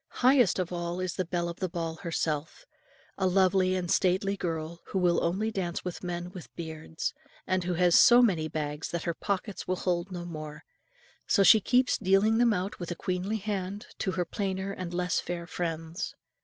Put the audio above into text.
Highest of all is the belle of the ball herself, a lovely and stately girl, who will only dance with men with beards, and who has so many bags that her pockets will hold no more; so she keeps dealing them out with a queenly hand, to her plainer and less fair friends.